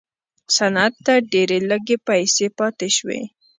صنعت ته ډېرې لږې پیسې پاتې شوې.